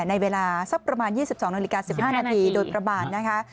ในเวลาสักประมาณ๒๒นาฬิกา๑๕นาทีโดยประมาณนะคะ